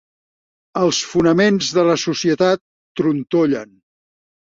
Els fonaments de la societat trontollen.